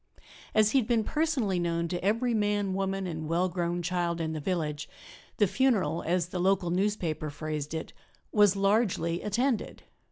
As he had been personally known to every man, woman and well grown child in the village, the funeral, as the local newspaper phrased it, "was largely attended."